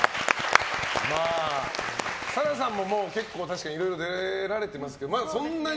紗来さんも結構いろいろ出られてますけどまだそんなに？